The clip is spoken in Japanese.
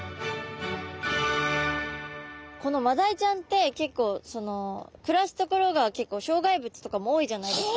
このマダイちゃんって結構暮らす所が障害物とかも多いじゃないですか。